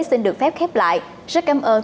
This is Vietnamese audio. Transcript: xin được phép khép lại rất cảm ơn